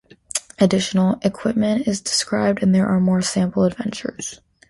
Additional equipment is described and there are more sample adventures.